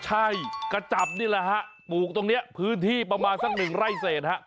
ใช่กระจับนี่แหละฮะปลูกตรงนี้พื้นที่ประมาณสักหนึ่งไร่เศษฮะ